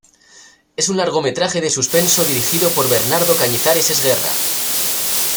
Es un largometraje de suspenso dirigido por Bernardo Cañizares Esguerra.